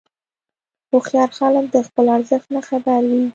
هوښیار خلک د خپل ارزښت نه خبر وي.